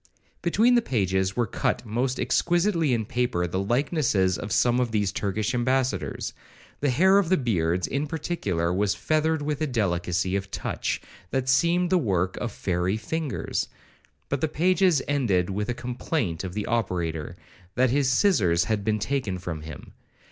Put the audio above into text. Between the pages were cut most exquisitely in paper the likenesses of some of these Turkish ambassadors; the hair of the beards, in particular, was feathered with a delicacy of touch that seemed the work of fairy fingers,—but the pages ended with a complaint of the operator, that his scissars had been taken from him.